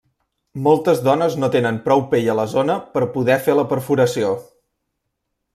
Moltes dones no tenen prou pell a la zona per poder fer la perforació.